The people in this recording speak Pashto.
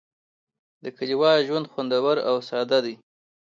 د کلیوال ژوند خوندور او ساده دی.